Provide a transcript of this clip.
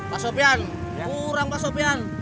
mas sofyan kurang mas sofyan